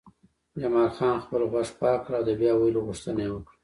جمال خان خپل غوږ پاک کړ او د بیا ویلو غوښتنه یې وکړه